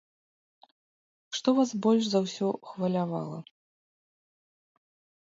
Што вас больш за ўсё хвалявала?